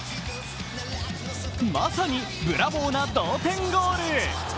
まさにブラボーな同点ゴール。